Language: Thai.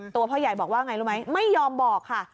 พ่อใหญ่บอกว่าไงรู้ไหมไม่ยอมบอกค่ะ